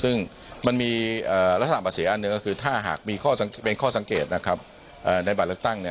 ซึ่งมันมีลักษณะภาษีอันหนึ่งก็คือถ้าหากมีข้อสังเกตในบัตรเลือกตั้ง